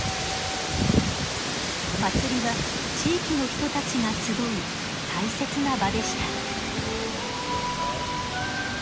祭りは地域の人たちが集う大切な場でした。